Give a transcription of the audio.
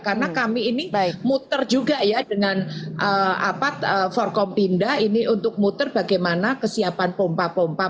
karena kami ini muter juga ya dengan vorkom pindah ini untuk muter bagaimana kesiapan pompa pompa